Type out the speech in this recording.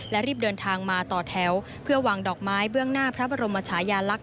และรีบเดินทางมาต่อแถวเพื่อวางดอกไม้เบื้องหน้าพระบรมชายาลักษ